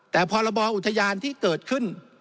แต่พรบอุทยานที่เกิดขึ้น